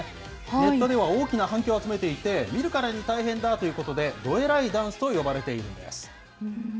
ネットでは大きな反響を集めていて、見るからに大変だということで、どえらいダンスと呼ばれているんです。